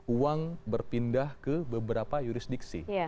uang berpindah ke beberapa jurisdiksi